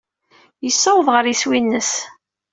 Yessaweḍ ɣer yeswi-nnes.